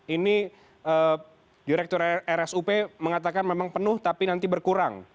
ini direktur rsup mengatakan memang penuh tapi nanti berkurang